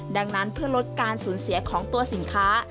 ดังนั้นเพื่อลดการสูญเสียของตัวสินค้า